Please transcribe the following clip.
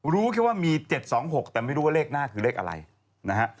รู้แค่ว่ามี๗๒๖แต่ไม่รู้ว่าเลขหน้าคือเลขอะไรนะฮะ